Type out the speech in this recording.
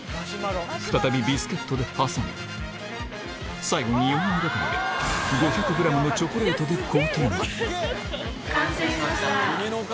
再びビスケットで挟み、最後に４人がかりで５００グラムのチョコ完成しました。